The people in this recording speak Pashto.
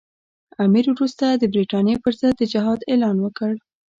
امیر وروسته د برټانیې پر ضد د جهاد اعلان وکړ.